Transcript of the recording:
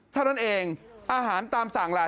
เท่านั้นเองอาหารตามสั่งล่ะ